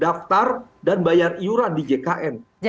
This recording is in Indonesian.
dan daftar dan bayar iuran di jkn